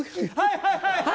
はいはい！